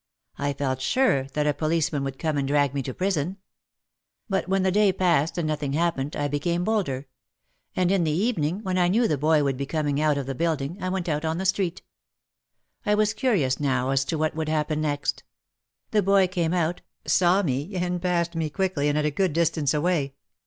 I felt sure that a policeman would come and drag me to prison. But when the day passed and nothing happened I became bolder, and in the eve ning, when I knew the boy would be coming out of the building, I went out on the street. I was curious now as to what would happen next. The boy came out, saw me and passed me quickly and at a good distance away.